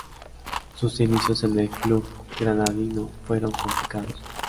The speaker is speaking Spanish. Sus inicios en el club granadino fueron complicados.